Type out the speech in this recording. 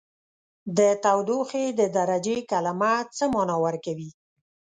د تودوخې د درجې کلمه څه معنا ورکوي؟